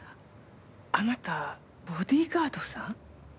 あなたボディーガードさん？」